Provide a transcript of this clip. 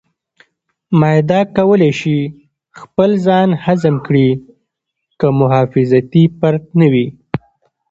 معده کولی شي خپل ځان هضم کړي که محافظتي پرت نه وي.